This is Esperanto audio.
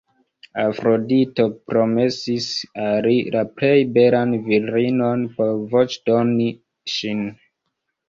Afrodito promesis al li la plej belan virinon por voĉdoni ŝin.